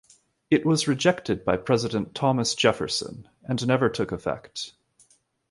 It was rejected by President Thomas Jefferson and never took effect.